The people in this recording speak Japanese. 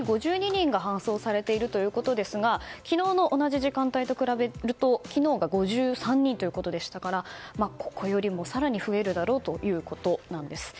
そして今日はこれまでに５２人が搬送されているということですが昨日の同じ時間帯と比べると昨日が５３人ということでしたからここよりも更に増えるだろうということなんです。